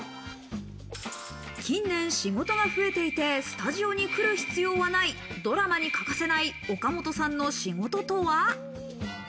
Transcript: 近年、仕事が増えていて、スタジオに来る必要はない、ドラマに欠かせない岡本さんの仕事とは？